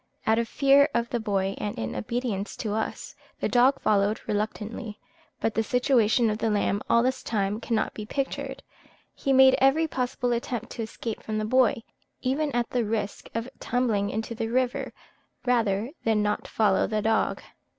Out of fear of the boy, and in obedience to us, the dog followed reluctantly; but the situation of the lamb all this time cannot be pictured; he made every possible attempt to escape from the boy, even at the risk of tumbling into the river, rather than not follow the dog.